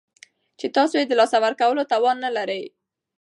چې تاسو یې د لاسه ورکولو توان نلرئ